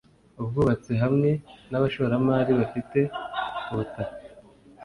ubwubatsi hamwe n abashoramari bafite ubutaka